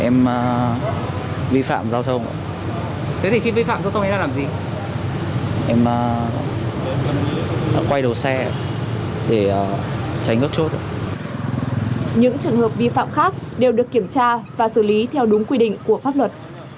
những trường hợp vi phạm khác đều được kiểm tra và xử lý theo đúng quy định của pháp luật